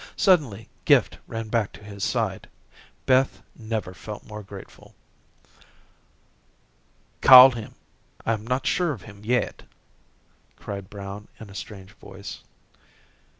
Suddenly Gift ran back to his side. Beth never felt more grateful. "Call him. I am not sure of him yet," cried Brown in a strange voice.